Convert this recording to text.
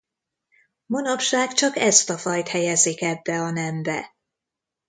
Manapság csak ezt a fajt helyezik ebbe a nembe.